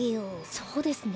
そうですね。